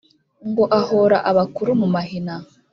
ngo ahora abakura mu mahina